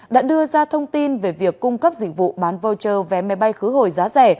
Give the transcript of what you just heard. đã đưa ra thông tin về việc cung cấp dịch vụ bán voucher vé máy bay khứ hồi giá rẻ